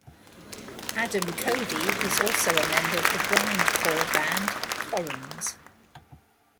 Adam Cody is also a member of the grindcore band Columns.